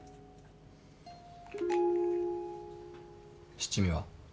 七味は？